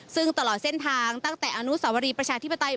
ซึ่งตลอดเส้นทางตั้งแต่อนุสาวรีประชาธิปไตย